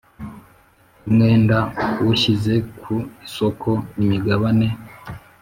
Umwenda w ushyize ku isoko imigabane